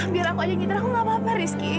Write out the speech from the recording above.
biar aku aja gini aku gak apa apa rizky